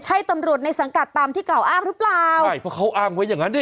ใช่ตำรวจในสังกัดตามที่กล่าวอ้างหรือเปล่าใช่เพราะเขาอ้างไว้อย่างงั้นดิ